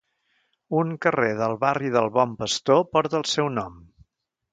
Un carrer del barri del Bon Pastor porta el seu nom.